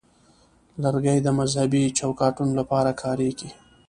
لرګی د مذهبي چوکاټونو لپاره کارېږي.